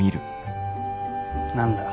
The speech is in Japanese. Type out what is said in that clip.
何だ。